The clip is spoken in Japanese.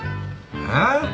えっ？